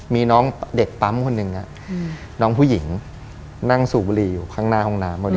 มีน้องเด็กปั๊มคนหนึ่งน้องผู้หญิงนั่งสูบบุหรี่อยู่ข้างหน้าห้องน้ำพอดี